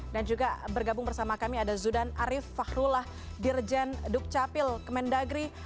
dan juga bergabung bersama kami ada zudan arief fakrullah dirjen dukcapil kemendagri